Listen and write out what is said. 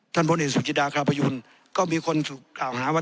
พลเอกสุจิดาคาพยุนก็มีคนถูกกล่าวหาว่า